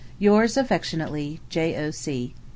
Yours affectionately, J.O.C.